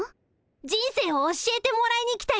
人生を教えてもらいに来たよ。